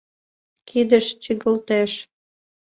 Кидышт чыгылтеш».